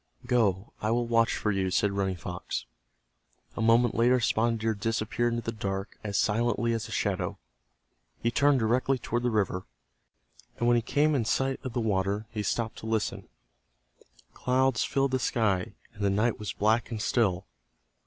"Go. I will watch for you," said Running Fox. A moment later Spotted Deer disappeared into the dark as silently as a shadow. He turned directly toward the river, and when he came in sight of the water he stopped to listen. Clouds filled the sky, and the night was black and still.